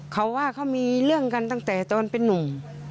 เขาว่าเขามีเรื่องกันตั้งแต่ตอนเป็นนุ่ม